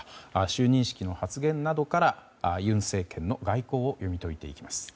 就任式の発言などから尹政権の外交を読み解いていきます。